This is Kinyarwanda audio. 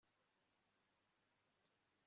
Tom yambajije impamvu nasetse